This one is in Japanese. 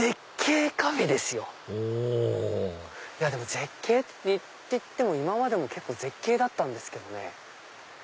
絶景っていっても今までも結構絶景だったんですけどね。